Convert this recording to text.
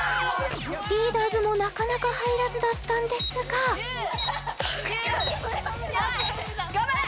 リーダーズもなかなか入らずだったんですが１０９８７６頑張れ！